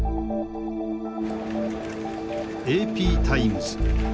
ＡＰタイムズ。